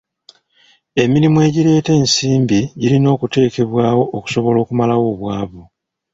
Emirimu egireeta ensimbi girina okuteekebwawo okusobola okumalawo obwavu.